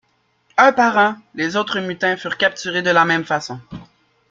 Un par un, les autres mutins furent capturés de la même façon.